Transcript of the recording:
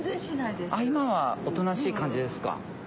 今はおとなしい感じですか？